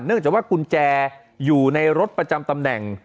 จากว่ากุญแจอยู่ในรถประจำตำแหน่ง